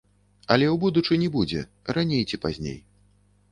Але ў будучыні будзе, раней ці пазней.